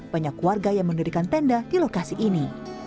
banyak warga yang mendirikan tenda di lokasi ini